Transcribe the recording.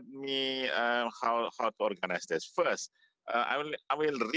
tapi sekali lagi hari ini kita harus menjawab pertanyaan jawab